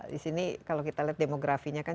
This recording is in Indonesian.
disini kalau kita lihat demografinya kan